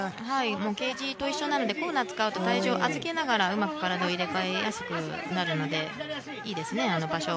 ケージと一緒なのでコーナーと一緒で体重を預けながらうまく体を入れ替えやすくなるのでいいですね。